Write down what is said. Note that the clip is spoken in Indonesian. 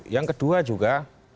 yang kedua juga